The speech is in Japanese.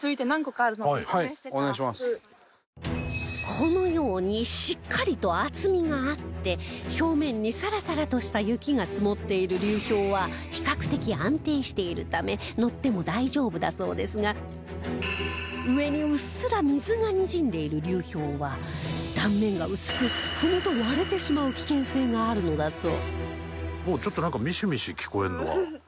このようにしっかりと厚みがあって表面にサラサラとした雪が積もっている流氷は比較的安定しているため乗っても大丈夫だそうですが上にうっすら水がにじんでいる流氷は断面が薄く踏むと割れてしまう危険性があるのだそう